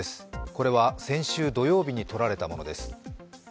これは先週土曜日に撮られたものです。